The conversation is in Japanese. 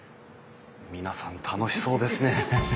皆さん楽しそうですね。